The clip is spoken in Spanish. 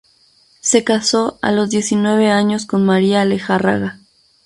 Se casó a los diecinueve años con María Lejárraga.